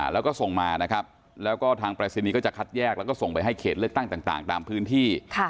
แล้วก็ส่งมานะครับแล้วก็ทางปรายศนีย์ก็จะคัดแยกแล้วก็ส่งไปให้เขตเลือกตั้งต่างตามพื้นที่